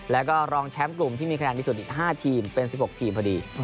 แล้วก็รองแชมป์กลุ่มที่มีคะแนนที่สุดอีก๕ทีมเป็น๑๖ทีมพอดี